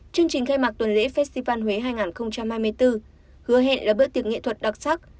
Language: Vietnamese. chương trình khai mạc tuần lễ festival huế hai nghìn hai mươi bốn hứa hẹn là bữa tiệc nghệ thuật đặc sắc